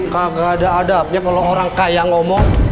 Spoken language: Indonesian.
kagak ada adabnya kalau orang kaya ngomong